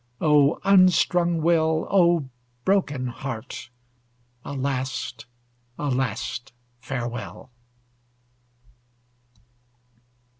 O unstrung will! O broken heart! A last, a last farewell!